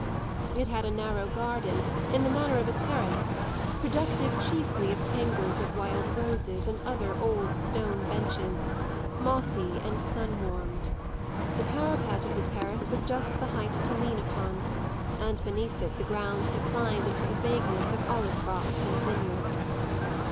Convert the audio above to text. It had a narrow garden, in the manner of a terrace, productive chiefly of tangles of wild roses and other old stone benches, mossy and sun warmed. The parapet of the terrace was just the height to lean upon, and beneath it the ground declined into the vagueness of olive crops and vineyards.